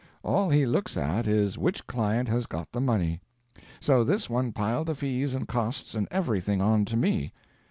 All he looks at is which client has got the money. So this one piled the fees and costs and everything on to me.